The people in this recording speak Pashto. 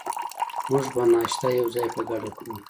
موږ به ناشته یوځای په ګډه کوو.